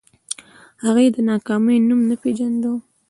هغې د ناکامۍ نوم نه پېژانده